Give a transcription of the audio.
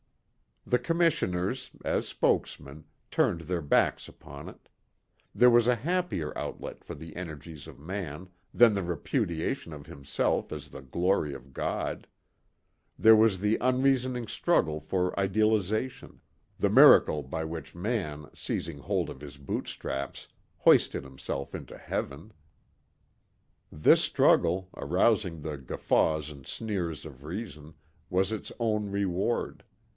The commissioners, as spokesmen, turned their back upon it. There was a happier outlet for the energies of man than the repudiation of himself as the glory of God. There was the unreasoning struggle for idealization the miracle by which man, seizing hold of his boot straps, hoisted himself into Heaven. This struggle, arousing the guffaws and sneers of reason, was its own reward.